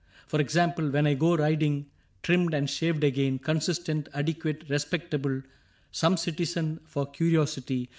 For example : When I go riding, trimmed and shaved again. Consistent, adequate, respectable, — Some citizen, for curiosity.